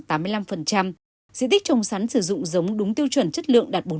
diện tích trồng sắn sử dụng giống đúng tiêu chuẩn chất lượng đạt bốn mươi năm mươi